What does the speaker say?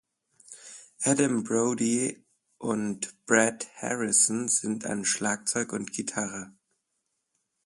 Adam Brody und Bret Harrison sind an Schlagzeug und Gitarre.